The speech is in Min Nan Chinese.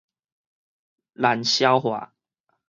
難消化